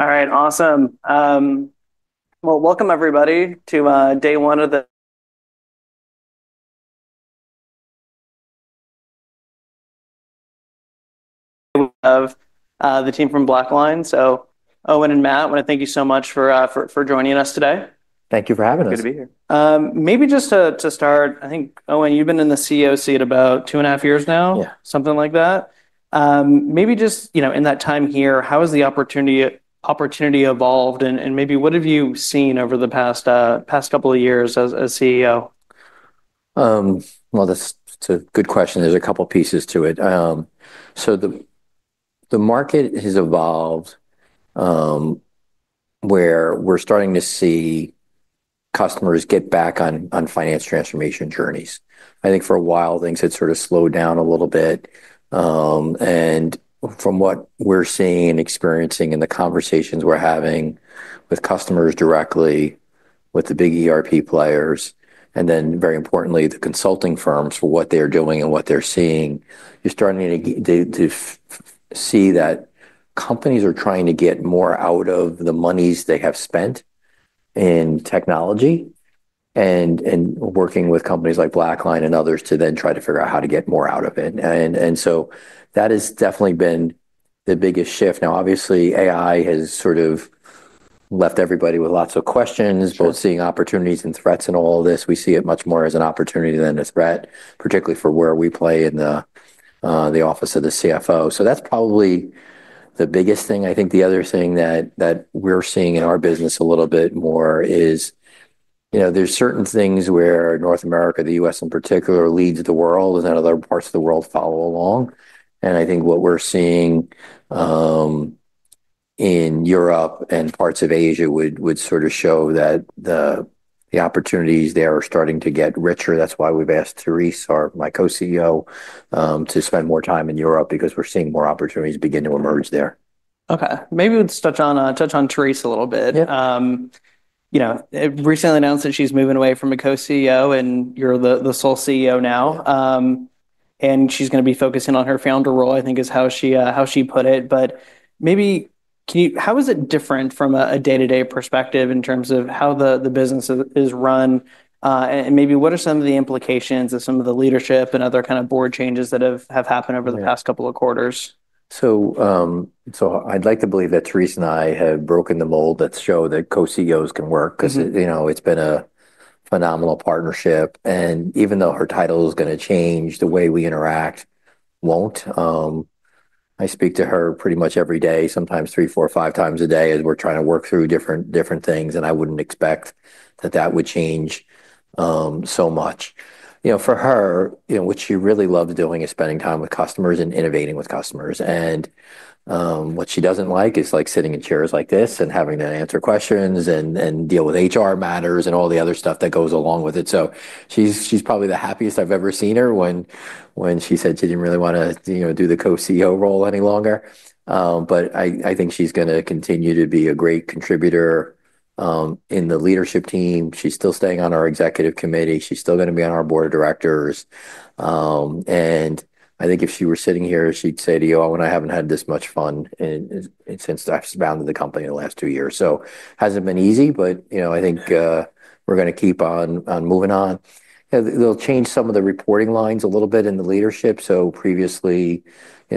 All right, awesome. Well, welcome everybody to day one of the team from BlackLine. So, Owen and Matt, I want to thank you so much for joining us today. Thank you for having us. Good to be here. Maybe just to start, I think, Owen, you've been in the CEO seat about two and a half years now, something like that. Maybe just in that time here, how has the opportunity evolved? And maybe what have you seen over the past couple of years as CEO? Well, that's a good question. There's a couple of pieces it. So the market has evolved where we're starting to see customers get back on finance transformation journeys. I think for a while, things had sort of slowed down a little bit. And from what we're seeing and experiencing in the conversations we're having with customers directly, with the big ERP players, and then very importantly, the consulting firms for what they're doing and what they're seeing, you're starting to see that companies are trying to get more out of the monies they have spent in technology and working with companies like BlackLine and others to then try to figure out how to get more out of it. And so that has definitely been the biggest shift. Now, obviously, AI has sort of left everybody with lots of questions, both seeing opportunities and threats and all of this. We see it much more as an opportunity than a threat, particularly for where we play in the office of the CFO. So that's probably the biggest thing. I think the other thing that we're seeing in our business a little bit more is there's certain things where North America, the U.S. in particular, leads the world, and then other parts of the world follow along, and I think what we're seeing in Europe and parts of Asia would sort of show that the opportunities there are starting to get richer. That's why we've asked Therese, our Co-CEO, to spend more time in Europe because we're seeing more opportunities begin to emerge there. Okay. Maybe we'll touch on Therese a little bit. Recently announced that she's moving away from a co-CEO, and you're the sole CEO now. And she's going to be focusing on her founder role, I think is how she put it. But maybe how is it different from a day-to-day perspective in terms of how the business is run? And maybe what are some of the implications of some of the leadership and other kind of board changes that have happened over the past couple of quarters? So I'd like to believe that Therese and I have broken the mold that show that co-CEOs can work because it's been a phenomenal partnership. And even though her title is going to change, the way we interact won't. I speak to her pretty much every day, sometimes three, four, five times a day as we're trying to work through different things. And I wouldn't expect that that would change so much. For her, what she really loves doing is spending time with customers and innovating with customers. And what she doesn't like is sitting in chairs like this and having to answer questions and deal with HR matters and all the other stuff that goes along with it. So she's probably the happiest I've ever seen her when she said she didn't really want to do the co-CEO role any longer. But I think she's going to continue to be a great contributor in the leadership team. She's still staying on our executive committee. She's still going to be on our board of directors. And I think if she were sitting here, she'd say to you, "Oh, and I haven't had this much fun since I've just founded the company in the last two years." So it hasn't been easy, but I think we're going to keep on moving on. They'll change some of the reporting lines a little bit in the leadership. So previously,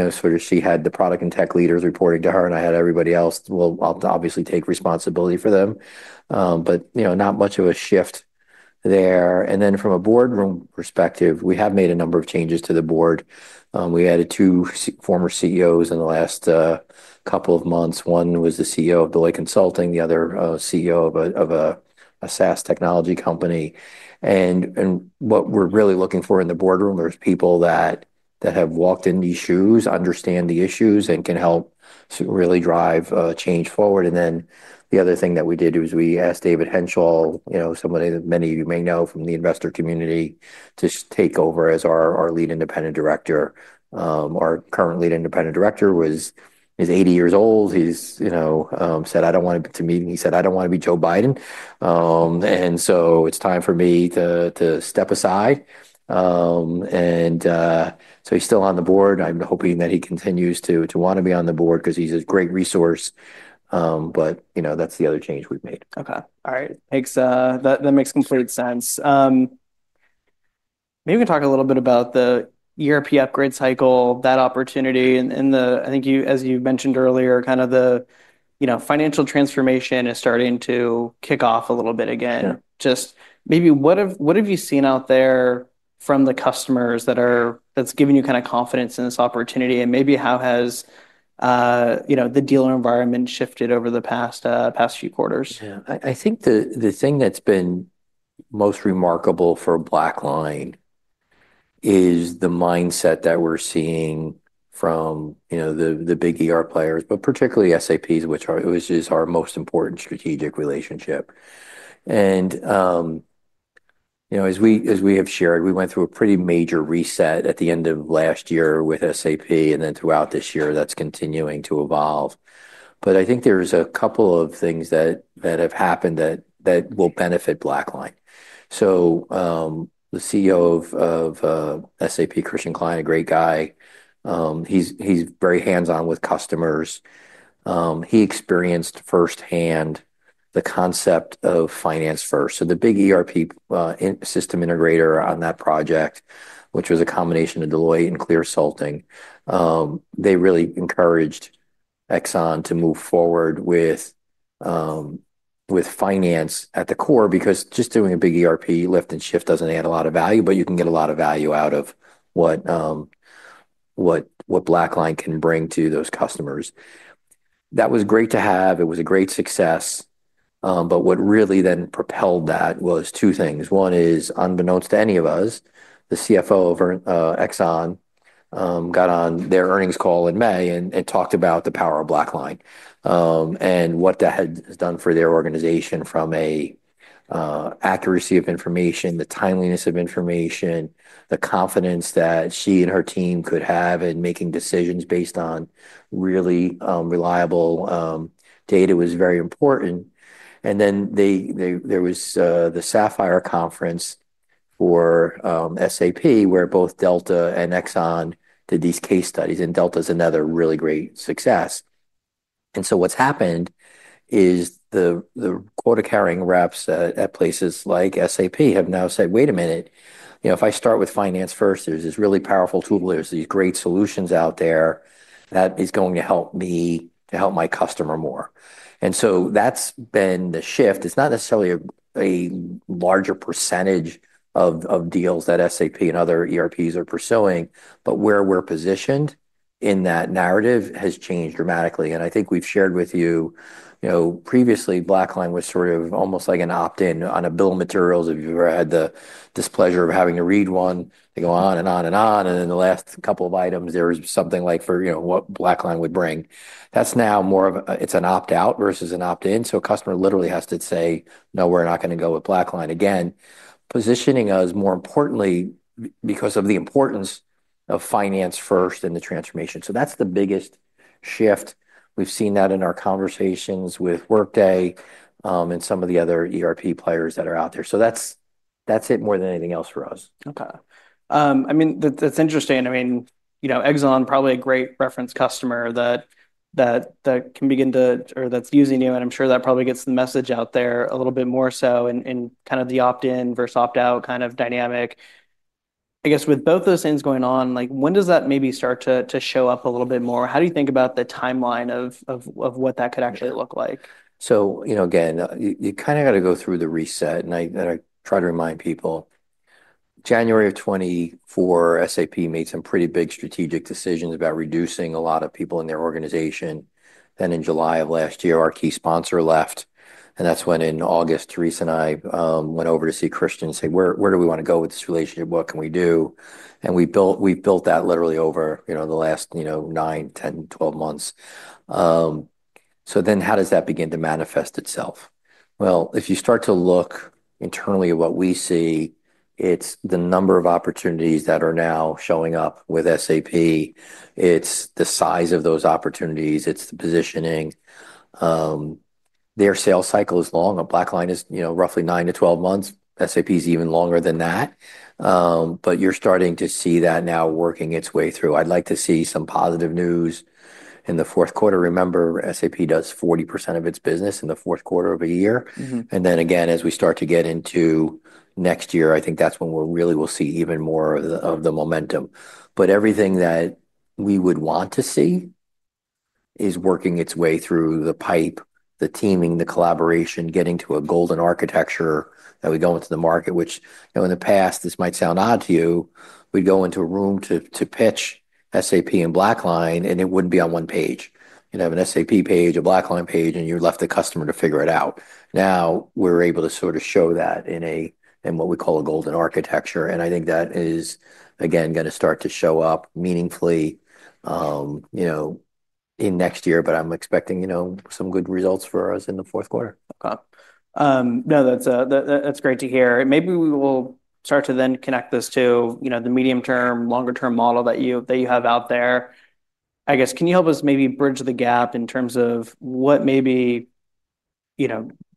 sort of she had the product and tech leaders reporting to her, and I had everybody else obviously take responsibility for them. But not much of a shift there. And then from a boardroom perspective, we have made a number of changes to the board. We added two former CEOs in the last couple of months. One was the CEO of Billy Consulting, the other CEO of a SaaS technology company. And what we're really looking for in the boardroom, there's people that have walked in these shoes, understand the issues, and can help really drive change forward. And then the other thing that we did was we asked David Henshall, somebody that many of you may know from the investor community, to take over as our Lead Independent Director. Our current Lead Independent Director is 80 years old. He said, "I don't want to be." He said, "I don't want to be Joe Biden. And so it's time for me to step aside." And so he's still on the board. I'm hoping that he continues to want to be on the board because he's a great resource. But that's the other change we've made. Okay. All right. That makes complete sense. Maybe we can talk a little bit about the ERP upgrade cycle, that opportunity, and I think, as you mentioned earlier, kind of the financial transformation is starting to kick off a little bit again. Just maybe what have you seen out there from the customers that's given you kind of confidence in this opportunity? And maybe how has the dealer environment shifted over the past few quarters? Yeah. I think the thing that's been most remarkable for BlackLine is the mindset that we're seeing from the big players, but particularly SAP, which is our most important strategic relationship. As we have shared, we went through a pretty major reset at the end of last year with SAP, and then throughout this year, that's continuing to evolve. I think there's a couple of things that have happened that will benefit BlackLine. The CEO of SAP, Christian Klein, a great guy. He's very hands-on with customers. He experienced firsthand the concept of finance first. So the Big ERP system integrator on that project, which was a combination of Deloitte and Clearsulting, they really encouraged Exxon to move forward with finance at the core because just doing a big ERP lift and shift doesn't add a lot of value, but you can get a lot of value out of what BlackLine can bring to those customers. That was great to have. It was a great success. But what really then propelled that was two things. One is, unbeknownst to any of us, the CFO of Exxon got on their earnings call in May and talked about the power of BlackLine and what that has done for their organization from an accuracy of information, the timeliness of information, the confidence that she and her team could have in making decisions based on really reliable data was very important. Then there was the Sapphire Conference for SAP where both Delta and Exxon did these case studies. Delta is another really great success. So what's happened is the quota-carrying reps at places like SAP have now said, "Wait a minute. If I start with finance first, there's this really powerful tool. There's these great solutions out there that is going to help me to help my customer more." So that's been the shift. It's not necessarily a larger percentage of deals that SAP and other ERPs are pursuing, but where we're positioned in that narrative has changed dramatically. I think we've shared with you previously, BlackLine was sort of almost like an opt-in on a bill of materials. If you've ever had the displeasure of having to read one, they go on and on and on. And then the last couple of items, there was something like for what BlackLine would bring. That's now more of it's an opt-out versus an opt-in. So a customer literally has to say, "No, we're not going to go with BlackLine again," positioning us more importantly because of the importance of finance first and the transformation. So that's the biggest shift. We've seen that in our conversations with Workday and some of the other ERP players that are out there. So that's it more than anything else for us. Okay. I mean, that's interesting. I mean, Exxon is probably a great reference customer that can begin to or that's using you. And I'm sure that probably gets the message out there a little bit more so in kind of the opt-in versus opt-out kind of dynamic. I guess with both those things going on, when does that maybe start to show up a little bit more? How do you think about the timeline of what that could actually look like? So again, you kind of got to go through the reset. And I try to remind people, January of 2024, SAP made some pretty big strategic decisions about reducing a lot of people in their organization. Then in July of last year, our key sponsor left. And that's when in August, Therese and I went over to see Christian and say, "Where do we want to go with this relationship? What can we do?" And we've built that literally over the last nine, 10, 12 months. So then how does that begin to manifest itself? Well, if you start to look internally at what we see, it's the number of opportunities that are now showing up with SAP. It's the size of those opportunities. It's the positioning. Their sales cycle is long. BlackLine is roughly nine to 12 months. SAP is even longer than that. But you're starting to see that now working its way through. I'd like to see some positive news in the fourth quarter. Remember, SAP does 40% of its business in the fourth quarter of a year. And then again, as we start to get into next year, I think that's when we really will see even more of the momentum. But everything that we would want to see is working its way through the pipe, the teaming, the collaboration, getting to a golden architecture that we go into the market, which in the past, this might sound odd to you, we'd go into a room to pitch SAP and BlackLine, and it wouldn't be on one page. You'd have an SAP page, a BlackLine page, and you left the customer to figure it out. Now we're able to sort of show that in what we call a golden architecture. I think that is, again, going to start to show up meaningfully in next year, but I'm expecting some good results for us in the fourth quarter. Okay. No, that's great to hear. Maybe we will start to then connect this to the medium-term, longer-term model that you have out there. I guess, can you help us maybe bridge the gap in terms of what maybe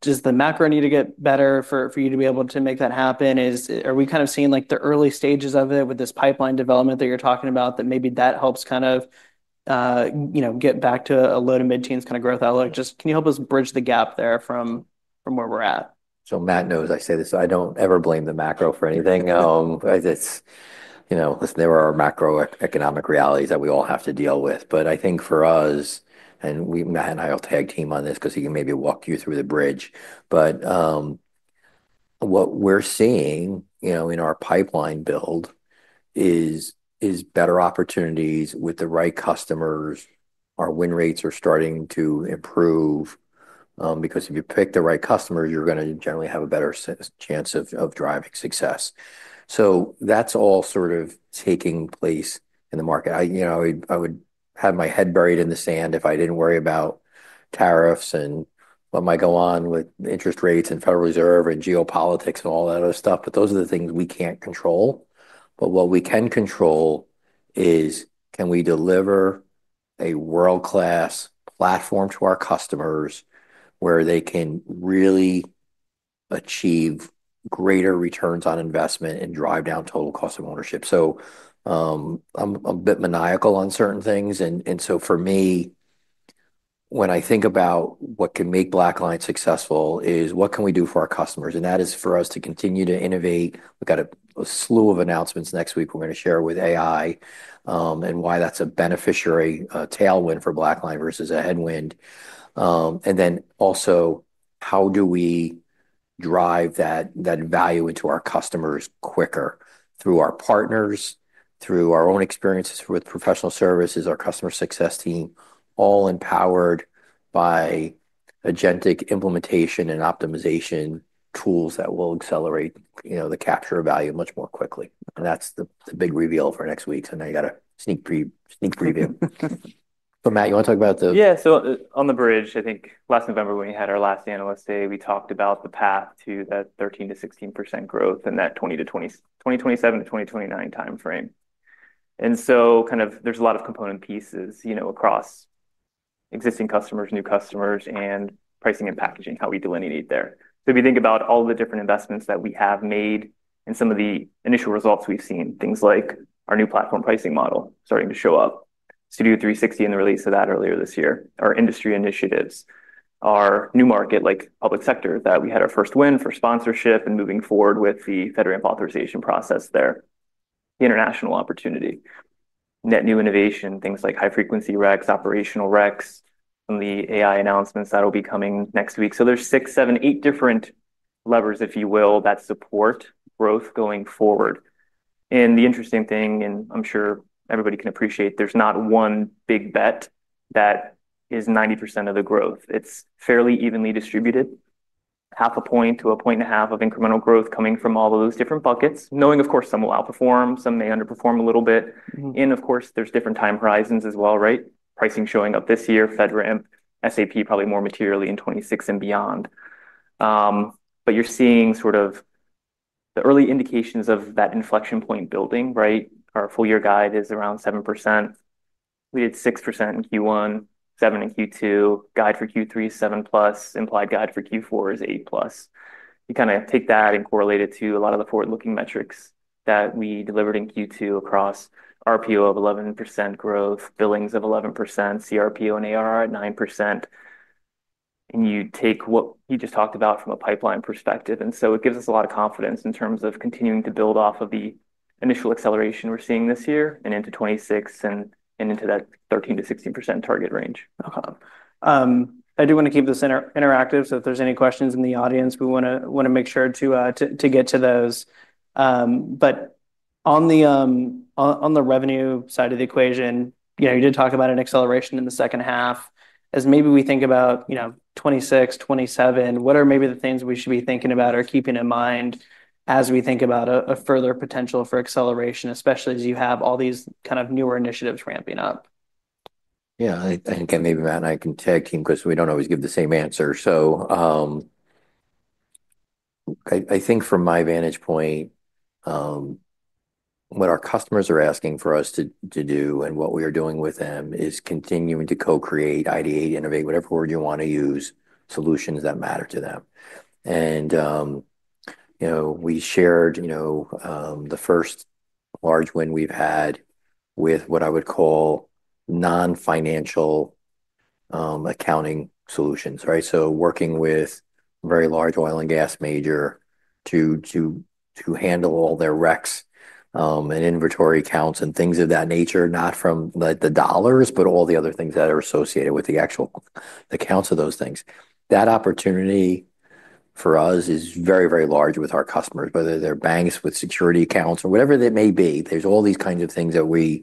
does the macro need to get better for you to be able to make that happen? Are we kind of seeing the early stages of it with this pipeline development that you're talking about that maybe that helps kind of get back to a low to mid-teens kind of growth outlook? Just can you help us bridge the gap there from where we're at? So Matt knows I say this. I don't ever blame the macro for anything. Listen, there are macroeconomic realities that we all have to deal with. But I think for us, and Matt and I will tag team on this because he can maybe walk you through the bridge. But what we're seeing in our pipeline build is better opportunities with the right customers. Our win rates are starting to improve because if you pick the right customers, you're going to generally have a better chance of driving success. So that's all sort of taking place in the market. I would have my head buried in the sand if I didn't worry about tariffs and what might go on with interest rates and Federal Reserve and geopolitics and all that other stuff. But those are the things we can't control. But what we can control is can we deliver a world-class platform to our customers where they can really achieve greater returns on investment and drive down total cost of ownership. So I'm a bit maniacal on certain things. And so for me, when I think about what can make BlackLine successful is what can we do for our customers? And that is for us to continue to innovate. We've got a slew of announcements next week. We're going to share with AI and why that's a beneficiary tailwind for BlackLine versus a headwind. And then also, how do we drive that value into our customers quicker through our partners, through our own experiences with professional services, our customer success team, all empowered by agentic implementation and optimization tools that will accelerate the capture of value much more quickly? And that's the big reveal for next week. So now you got a sneak preview. So Matt, you want to talk about the. Yeah. So on the bridge, I think last November when we had our last analyst day, we talked about the path to that 13%-16% growth and that 2027-2029 timeframe. And so kind of there's a lot of component pieces across existing customers, new customers, and pricing and packaging, how we delineate there. So if you think about all the different investments that we have made and some of the initial results we've seen, things like our new platform pricing model starting to show up, Studio 360 and the release of that earlier this year, our industry initiatives, our new market like public sector that we had our first win for sponsorship and moving forward with the FedRAMP authorization process there, the international opportunity, net new innovation, things like high-frequency recs, operational recs, and the AI announcements that will be coming next week. So there's six, seven, eight different levers, if you will, that support growth going forward. And the interesting thing, and I'm sure everybody can appreciate, there's not one big bet that is 90% of the growth. It's fairly evenly distributed, half a point to a point and a half of incremental growth coming from all of those different buckets, knowing, of course, some will outperform, some may underperform a little bit. And of course, there's different time horizons as well, right? Pricing showing up this year, FedRAMP, SAP probably more materially in 2026 and beyond. But you're seeing sort of the early indications of that inflection point building, right? Our full year guide is around 7%. We did 6% in Q1, 7% in Q2. Guide for Q3 is 7% plus. Implied guide for Q4 is 8% plus. You kind of take that and correlate it to a lot of the forward-looking metrics that we delivered in Q2 across RPO of 11% growth, billings of 11%, CRPO and ARR at 9%. And you take what you just talked about from a pipeline perspective. And so it gives us a lot of confidence in terms of continuing to build off of the initial acceleration we're seeing this year and into 2026 and into that 13%-16% target range. Okay. I do want to keep this interactive. So if there's any questions in the audience, we want to make sure to get to those. But on the revenue side of the equation, you did talk about an acceleration in the second half. As maybe we think about 2026, 2027, what are maybe the things we should be thinking about or keeping in mind as we think about a further potential for acceleration, especially as you have all these kind of newer initiatives ramping up? Yeah. I think maybe Matt and I can tag team because we don't always give the same answer. So I think from my vantage point, what our customers are asking for us to do and what we are doing with them is continuing to co-create, ideate, innovate, whatever word you want to use, solutions that matter to them. And we shared the first large win we've had with what I would call non-financial accounting solutions, right? So working with a very large oil and gas major to handle all their recs and inventory counts and things of that nature, not from the dollars, but all the other things that are associated with the actual accounts of those things. That opportunity for us is very, very large with our customers, whether they're banks with security accounts or whatever they may be. There's all these kinds of things that we're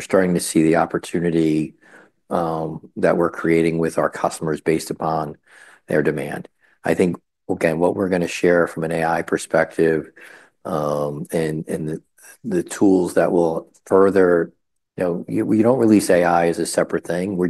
starting to see, the opportunity that we're creating with our customers based upon their demand. I think, again, what we're going to share from an AI perspective and the tools that will further. We don't release AI as a separate thing.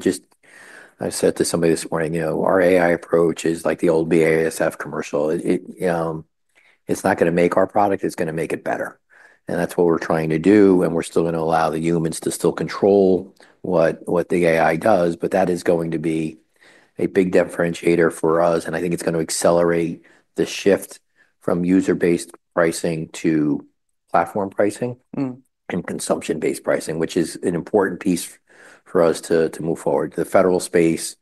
I said to somebody this morning, our AI approach is like the old BASF commercial. It's not going to make our product. It's going to make it better. And that's what we're trying to do. And we're still going to allow the humans to still control what the AI does. But that is going to be a big differentiator for us. And I think it's going to accelerate the shift from user-based pricing to platform pricing and consumption-based pricing, which is an important piece for us to move forward. The federal space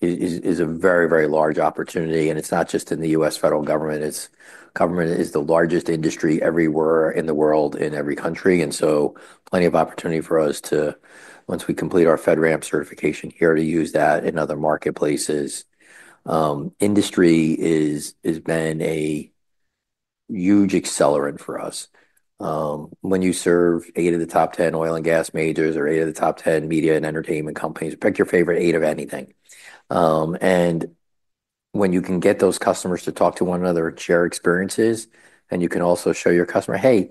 is a very, very large opportunity. It's not just in the U.S. federal government. Government is the largest industry everywhere in the world in every country. And so plenty of opportunity for us to, once we complete our FedRAMP certification here, to use that in other marketplaces. Industry has been a huge accelerant for us. When you serve eight of the top 10 oil and gas majors or eight of the top 10 media and entertainment companies, pick your favorite eight of anything. And when you can get those customers to talk to one another and share experiences, and you can also show your customer, "Hey,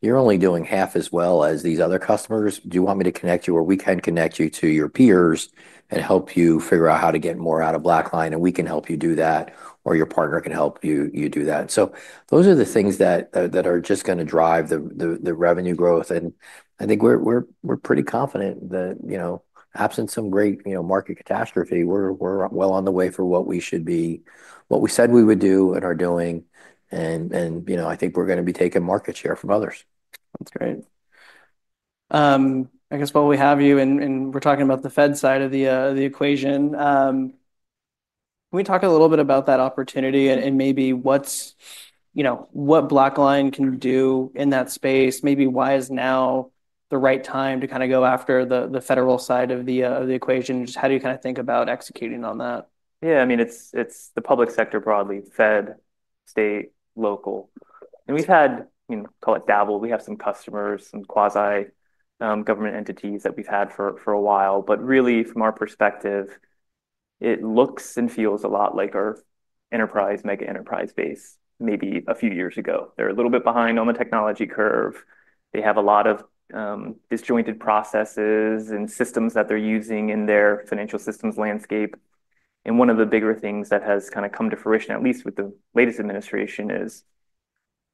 you're only doing half as well as these other customers. Do you want me to connect you or we can connect you to your peers and help you figure out how to get more out of BlackLine? And we can help you do that, or your partner can help you do that." So those are the things that are just going to drive the revenue growth. And I think we're pretty confident that absent some great market catastrophe, we're well on the way for what we should be, what we said we would do and are doing. And I think we're going to be taking market share from others. That's great. I guess while we have you and we're talking about the Fed side of the equation, can we talk a little bit about that opportunity and maybe what BlackLine can do in that space? Maybe why is now the right time to kind of go after the federal side of the equation? Just how do you kind of think about executing on that? Yeah. I mean, it's the public sector broadly: Fed, state, local. And we've had, I mean, call it dabble. We have some customers, some quasi-government entities that we've had for a while. But really, from our perspective, it looks and feels a lot like our enterprise, mega enterprise base maybe a few years ago. They're a little bit behind on the technology curve. They have a lot of disjointed processes and systems that they're using in their financial systems landscape. And one of the bigger things that has kind of come to fruition, at least with the latest administration, is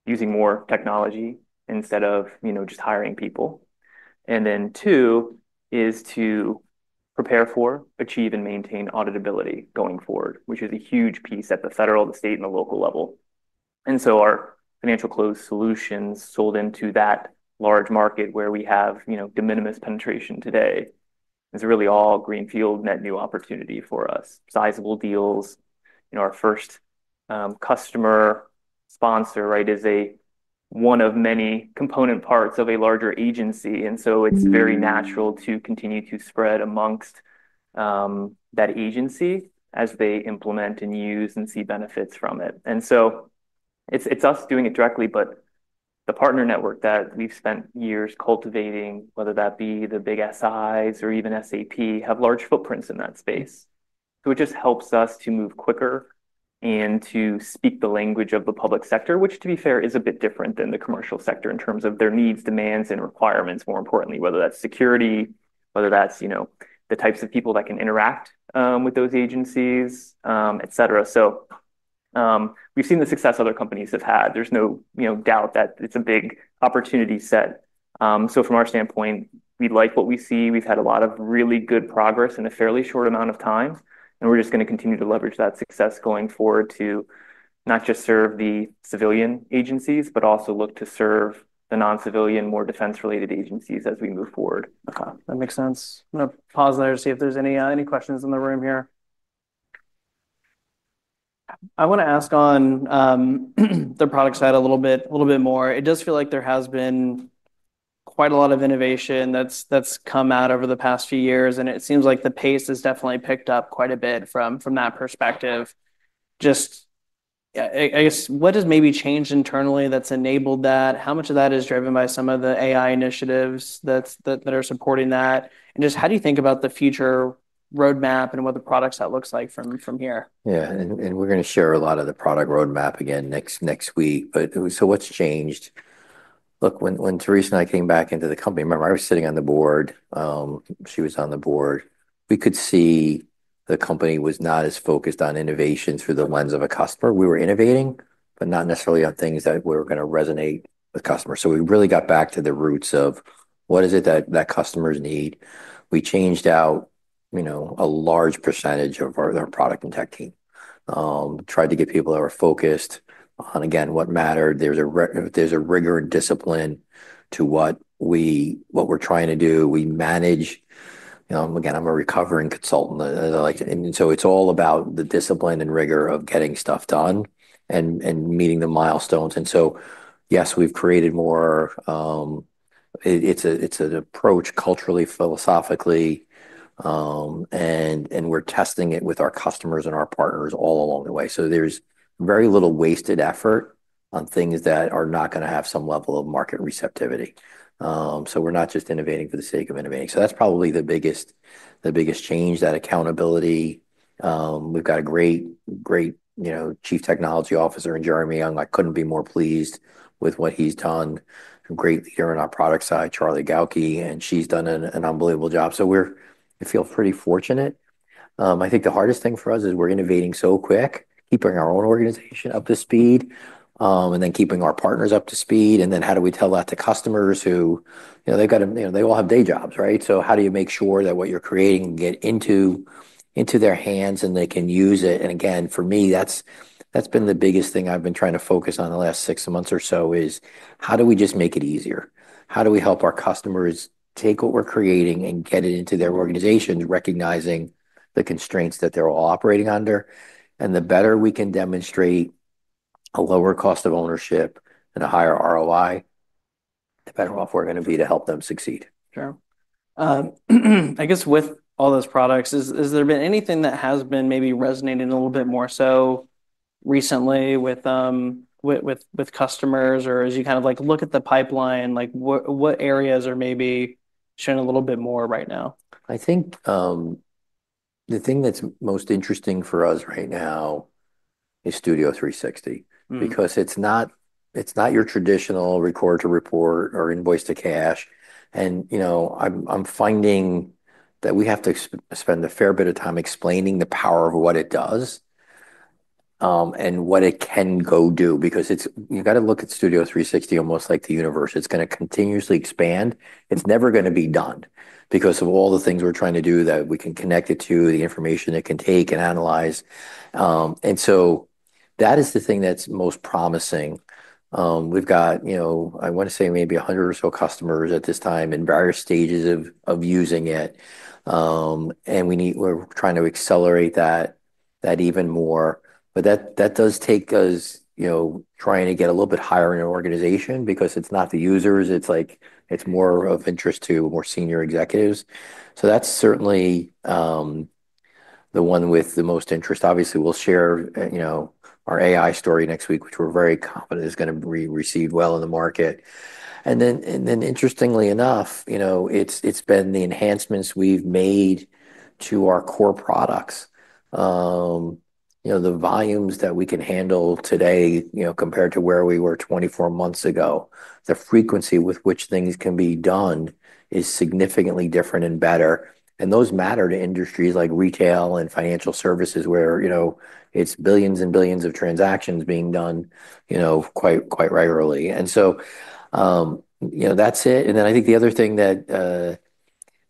using more technology instead of just hiring people. And then two is to prepare for, achieve, and maintain auditability going forward, which is a huge piece at the federal, the state, and the local level. And so our financial close solutions sold into that large market where we have de minimis penetration today is really all greenfield, net new opportunity for us, sizable deals. Our first customer sponsor, right, is one of many component parts of a larger agency. And so it's very natural to continue to spread amongst that agency as they implement and use and see benefits from it. And so it's us doing it directly, but the partner network that we've spent years cultivating, whether that be the big SIs or even SAP, have large footprints in that space. So it just helps us to move quicker and to speak the language of the public sector, which, to be fair, is a bit different than the commercial sector in terms of their needs, demands, and requirements, more importantly, whether that's security, whether that's the types of people that can interact with those agencies, etc. So we've seen the success other companies have had. There's no doubt that it's a big opportunity set. So from our standpoint, we like what we see. We've had a lot of really good progress in a fairly short amount of time. And we're just going to continue to leverage that success going forward to not just serve the civilian agencies, but also look to serve the non-civilian, more defense-related agencies as we move forward. Okay. That makes sense. I'm going to pause there to see if there's any questions in the room here. I want to ask on the product side a little bit more. It does feel like there has been quite a lot of innovation that's come out over the past few years. And it seems like the pace has definitely picked up quite a bit from that perspective. Just, I guess, what has maybe changed internally that's enabled that? How much of that is driven by some of the AI initiatives that are supporting that? And just how do you think about the future roadmap and what the product set looks like from here? Yeah. And we're going to share a lot of the product roadmap again next week. So what's changed? Look, when Therese and I came back into the company, remember, I was sitting on the board. She was on the board. We could see the company was not as focused on innovations through the lens of a customer. We were innovating, but not necessarily on things that were going to resonate with customers. So we really got back to the roots of what is it that customers need? We changed out a large percentage of our product and tech team, tried to get people that were focused on, again, what mattered. There's a rigor and discipline to what we're trying to do. We manage, again, I'm a recovering consultant. And so it's all about the discipline and rigor of getting stuff done and meeting the milestones. And so, yes, we've created more. It's an approach culturally, philosophically, and we're testing it with our customers and our partners all along the way. So there's very little wasted effort on things that are not going to have some level of market receptivity. So we're not just innovating for the sake of innovating. So that's probably the biggest change: that accountability. We've got a great chief technology officer in Jeremy. I couldn't be more pleased with what he's done. Great leader on our product side, Karli Galkas, and she's done an unbelievable job. So we feel pretty fortunate. I think the hardest thing for us is we're innovating so quick, keeping our own organization up to speed, and then keeping our partners up to speed. And then how do we tell that to customers who they all have day jobs, right? So how do you make sure that what you're creating can get into their hands and they can use it? And again, for me, that's been the biggest thing I've been trying to focus on the last six months or so is how do we just make it easier? How do we help our customers take what we're creating and get it into their organizations, recognizing the constraints that they're all operating under? And the better we can demonstrate a lower cost of ownership and a higher ROI, the better off we're going to be to help them succeed. Sure. I guess with all those products, has there been anything that has been maybe resonating a little bit more so recently with customers? Or as you kind of look at the pipeline, what areas are maybe showing a little bit more right now? I think the thing that's most interesting for us right now is Studio 360 because it's not your traditional record to report or invoice to cash, and I'm finding that we have to spend a fair bit of time explaining the power of what it does and what it can go do because you've got to look at Studio 360 almost like the universe. It's going to continuously expand. It's never going to be done because of all the things we're trying to do that we can connect it to, the information it can take and analyze, and so that is the thing that's most promising. We've got, I want to say, maybe 100 or so customers at this time in various stages of using it, and we're trying to accelerate that even more. But that does take us trying to get a little bit higher in our organization because it's not the users. It's more of interest to more senior executives. So that's certainly the one with the most interest. Obviously, we'll share our AI story next week, which we're very confident is going to be received well in the market. And then, interestingly enough, it's been the enhancements we've made to our core products, the volumes that we can handle today compared to where we were 24 months ago. The frequency with which things can be done is significantly different and better. And those matter to industries like retail and financial services where it's billions and billions of transactions being done quite regularly. And so that's it. And then I think the other thing that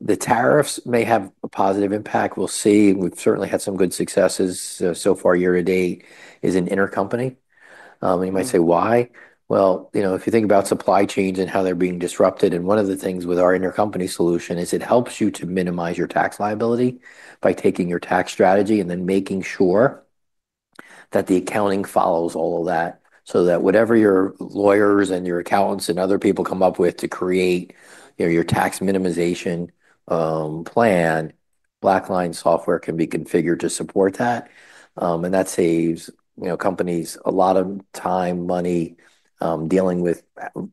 the tariffs may have a positive impact, we'll see. We've certainly had some good successes so far. Year to date is in intercompany. You might say, "Why?" If you think about supply chains and how they're being disrupted. One of the things with our intercompany solution is it helps you to minimize your tax liability by taking your tax strategy and then making sure that the accounting follows all of that so that whatever your lawyers and your accountants and other people come up with to create your tax minimization plan, BlackLine software can be configured to support that. That saves companies a lot of time, money dealing with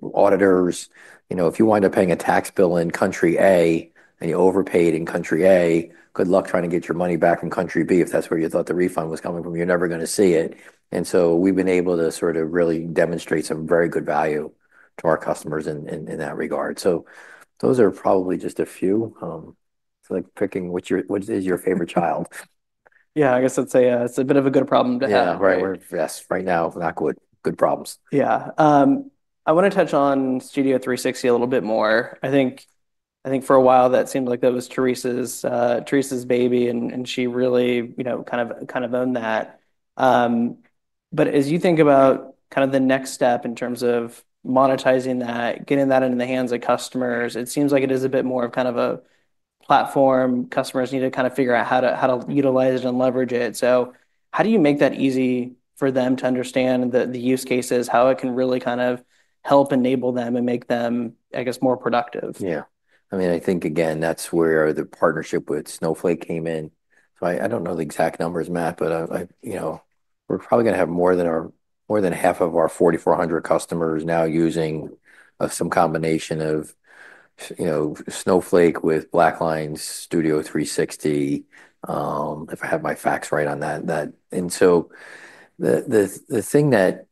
auditors. If you wind up paying a tax bill in country A and you overpaid in country A, good luck trying to get your money back in country B if that's where you thought the refund was coming from. You're never going to see it. And so we've been able to sort of really demonstrate some very good value to our customers in that regard. So those are probably just a few. It's like picking what is your favorite child? Yeah. I guess I'd say it's a bit of a good problem to have. Yeah. Right. Yes. Right now, not good problems. Yeah. I want to touch on Studio 360 a little bit more. I think for a while, that seemed like that was Therese's baby, and she really kind of owned that. But as you think about kind of the next step in terms of monetizing that, getting that into the hands of customers, it seems like it is a bit more of kind of a platform. Customers need to kind of figure out how to utilize it and leverage it. So how do you make that easy for them to understand the use cases, how it can really kind of help enable them and make them, I guess, more productive? Yeah. I mean, I think, again, that's where the partnership with Snowflake came in. So I don't know the exact numbers, Matt, but we're probably going to have more than half of our 4,400 customers now using some combination of Snowflake with BlackLine Studio 360, if I have my facts right on that. And so the thing that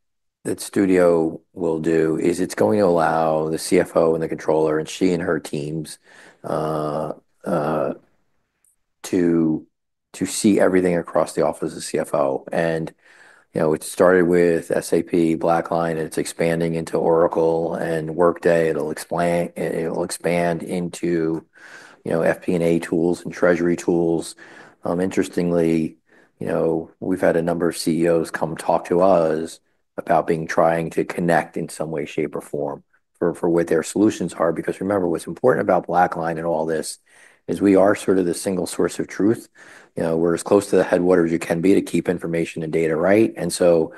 Studio will do is it's going to allow the CFO and the controller and she and her teams to see everything across the Office of CFO. And it started with SAP, BlackLine, and it's expanding into Oracle and Workday. It'll expand into FP&A tools and treasury tools. Interestingly, we've had a number of CEOs come talk to us about being trying to connect in some way, shape, or form for what their solutions are. Because remember, what's important about BlackLine and all this is we are sort of the single source of truth. We're as close to the headquarters you can be to keep information and data right. And so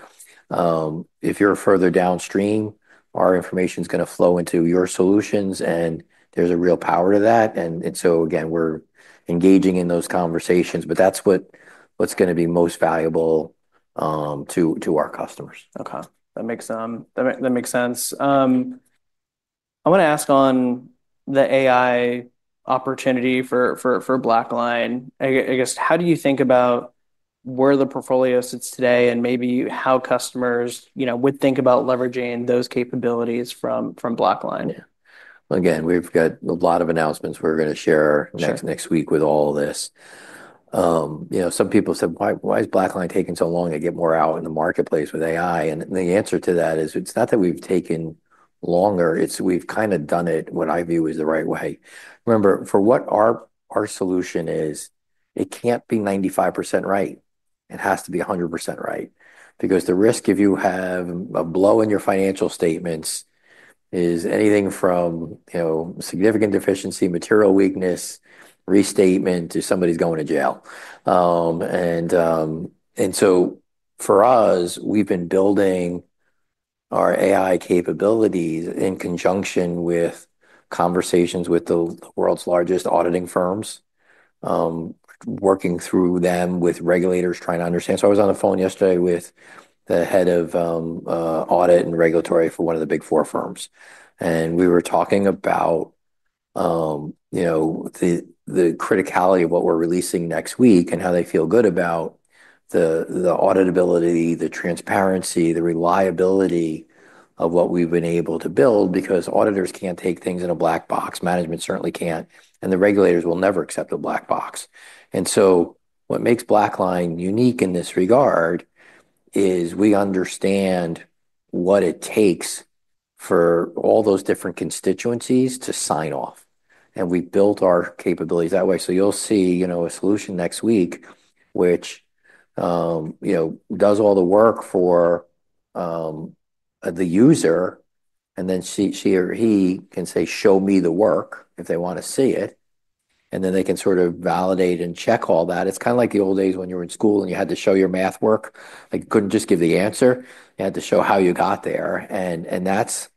if you're further downstream, our information is going to flow into your solutions, and there's a real power to that. And so, again, we're engaging in those conversations, but that's what's going to be most valuable to our customers. Okay. That makes sense. I want to ask on the AI opportunity for BlackLine. I guess, how do you think about where the portfolio sits today and maybe how customers would think about leveraging those capabilities from BlackLine? Yeah. Again, we've got a lot of announcements we're going to share next week with all of this. Some people said, "Why is BlackLine taking so long to get more out in the marketplace with AI?" And the answer to that is it's not that we've taken longer. It's we've kind of done it what I view is the right way. Remember, for what our solution is, it can't be 95% right. It has to be 100% right because the risk if you have a blow in your financial statements is anything from significant deficiency, material weakness, restatement, to somebody's going to jail. And so for us, we've been building our AI capabilities in conjunction with conversations with the world's largest auditing firms, working through them with regulators trying to understand. So I was on the phone yesterday with the head of audit and regulatory for one of the Big Four firms. And we were talking about the criticality of what we're releasing next week and how they feel good about the auditability, the transparency, the reliability of what we've been able to build because auditors can't take things in a black box. Management certainly can't. And the regulators will never accept a black box. And so what makes BlackLine unique in this regard is we understand what it takes for all those different constituencies to sign off. And we built our capabilities that way. So you'll see a solution next week which does all the work for the user, and then she or he can say, "Show me the work," if they want to see it. And then they can sort of validate and check all that. It's kind of like the old days when you were in school and you had to show your math work. You couldn't just give the answer. You had to show how you got there. And that's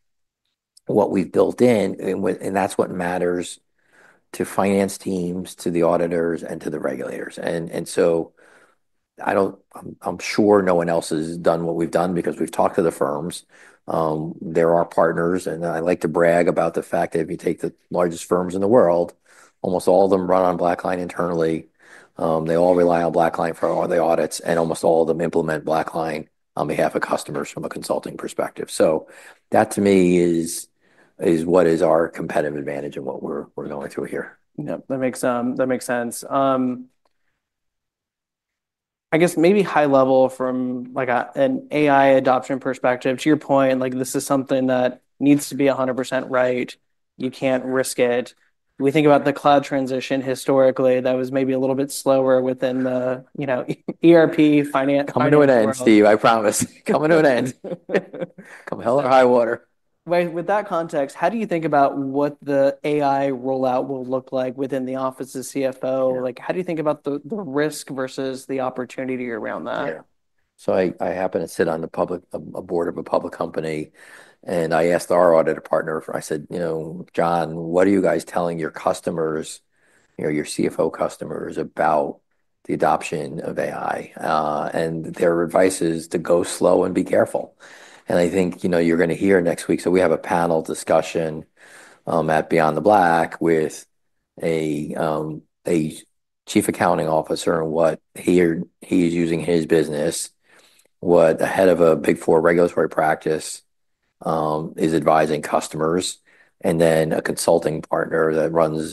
what we've built in, and that's what matters to finance teams, to the auditors, and to the regulators. And so I'm sure no one else has done what we've done because we've talked to the firms. They're our partners. And I like to brag about the fact that if you take the largest firms in the world, almost all of them run on BlackLine internally. They all rely on BlackLine for all the audits, and almost all of them implement BlackLine on behalf of customers from a consulting perspective. So that, to me, is what is our competitive advantage and what we're going through here. Yeah. That makes sense. I guess maybe high level from an AI adoption perspective, to your point, this is something that needs to be 100% right. You can't risk it. We think about the cloud transition historically that was maybe a little bit slower within the ERP finance. Coming to an end, Steve. I promise. Coming to an end. Come hell or high water. With that context, how do you think about what the AI rollout will look like within the office of CFO? How do you think about the risk versus the opportunity around that? Yeah. So I happen to sit on a board of a public company, and I asked our auditor partner. I said, "John, what are you guys telling your customers, your CFO customers, about the adoption of AI?" And their advice is to go slow and be careful. And I think you're going to hear next week. So we have a panel discussion at Beyond the Black with a chief accounting officer on what he is using in his business, what the head of a Big Four regulatory practice is advising customers, and then a consulting partner that runs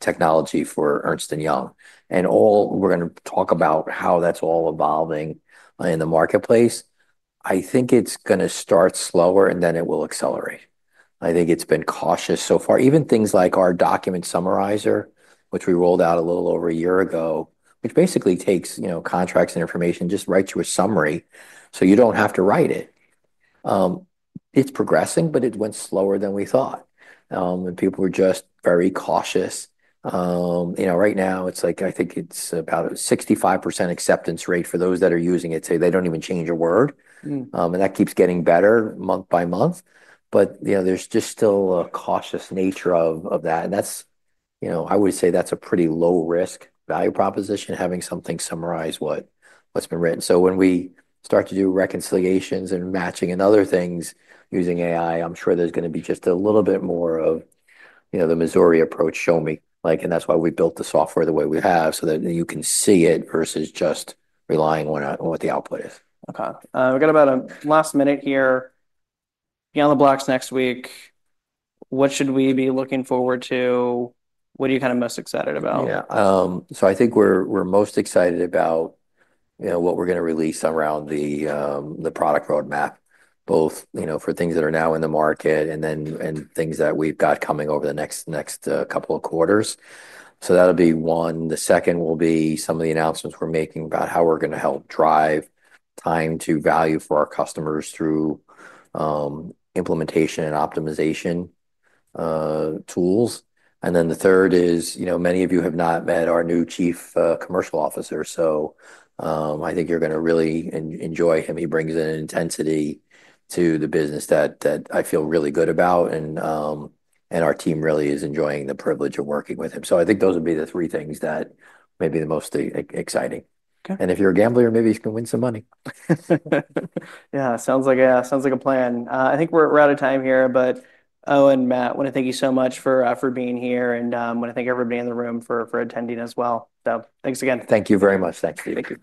technology for Ernst & Young. And we're going to talk about how that's all evolving in the marketplace. I think it's going to start slower, and then it will accelerate. I think it's been cautious so far. Even things like our Document Summarizer, which we rolled out a little over a year ago, which basically takes contracts and information, just writes you a summary so you don't have to write it. It's progressing, but it went slower than we thought, and people were just very cautious. Right now, it's like I think it's about a 65% acceptance rate for those that are using it. They don't even change a word. And that keeps getting better month by month. But there's just still a cautious nature of that. And I would say that's a pretty low-risk value proposition, having something summarize what's been written. So when we start to do reconciliations and matching and other things using AI, I'm sure there's going to be just a little bit more of the Missouri approach, "Show me." And that's why we built the software the way we have so that you can see it versus just relying on what the output is. Okay. We've got about a last minute here. Beyond the Black next week. What should we be looking forward to? What are you kind of most excited about? Yeah. So I think we're most excited about what we're going to release around the product roadmap, both for things that are now in the market and things that we've got coming over the next couple of quarters. So that'll be one. The second will be some of the announcements we're making about how we're going to help drive time to value for our customers through implementation and optimization tools. And then the third is, many of you have not met our new Chief Commercial Officer. So I think you're going to really enjoy him. He brings an intensity to the business that I feel really good about. And our team really is enjoying the privilege of working with him. So I think those would be the three things that may be the most exciting. And if you're a gambler, maybe you can win some money. Yeah. Sounds like a plan. I think we're out of time here, but Owen and Matt, I want to thank you so much for being here, and I want to thank everybody in the room for attending as well. So thanks again. Thank you very much. Thanks, Steve. Thank you.